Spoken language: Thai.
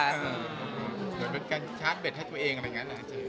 เหลือเป็นการชาร์จเบ็ตให้ตัวเองหรืออะไรแบบนั้นอะเจ๊